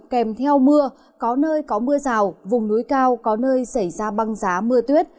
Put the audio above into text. kèm theo mưa có nơi có mưa rào vùng núi cao có nơi xảy ra băng giá mưa tuyết